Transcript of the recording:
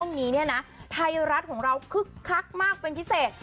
ตรงนี้นะไทยรัฐของเราคึกคักมากเป็นพิเศษ